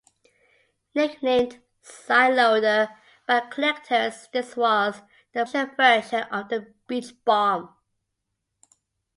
Nicknamed "Side-loader" by collectors, this was the production version of the Beach Bomb.